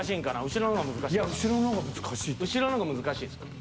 後ろのが難しいですか。